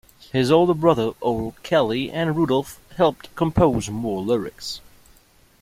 His older brothers O'Kelly and Rudolph helped compose more lyrics.